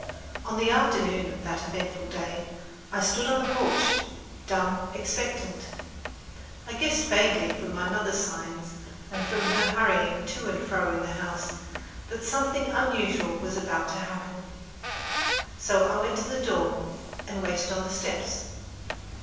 On the afternoon of that eventful day, I stood on the porch, dumb, expectant. I guessed vaguely from my mother's signs and from the hurrying to and fro in the house that something unusual was about to happen, so I went to the door and waited on the steps.